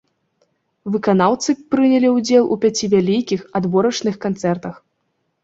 Выканаўцы прынялі ўдзел у пяці вялікіх адборачных канцэртах.